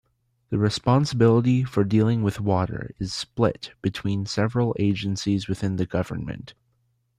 The responsibility for dealing with water is split between several agencies within the government.